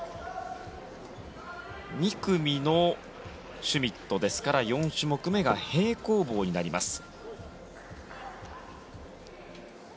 ２組のシュミットですから４種目目が平行棒になります。